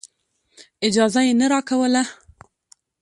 اجازه یې نه راکوله.